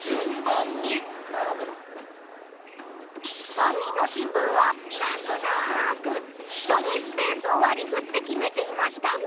３人の新聞はなんとなく人にスペースをわりふって決めていました。